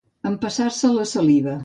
Empassar-se la saliva.